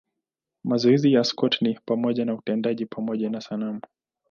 Mazoezi ya Scott ni pamoja na utendaji pamoja na sanamu.